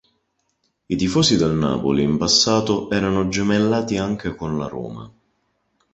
I tifosi del Napoli in passato erano gemellati anche con la Roma.